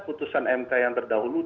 putusan mk yang terdahulu